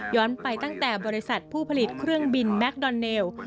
ไปตั้งแต่บริษัทผู้ผลิตเครื่องบินแมคดอนเนล